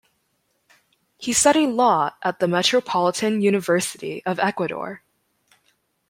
He studied law at the Metropolitan University of Ecuador.